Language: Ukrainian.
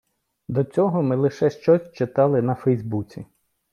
До цього ми лише щось читали на фейсбуці.